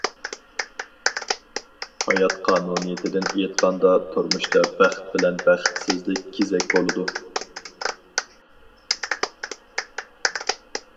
ھايات قانۇنىيىتىدىن ئېيتقاندا تۇرمۇشتا بەخت بىلەن بەختسىزلىك كېزەك بولىدۇ.